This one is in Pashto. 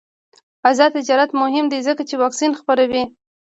آزاد تجارت مهم دی ځکه چې واکسین خپروي.